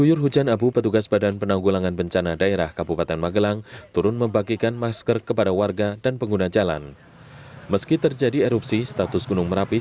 ya ada enam kecamatan yang terdampak dan tiga diantaranya adalah di krb tiga merapi